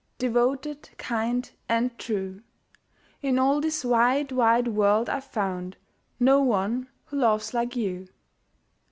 Devoted, kind, and true; In all this wide, wide world I've found No one who loves like you.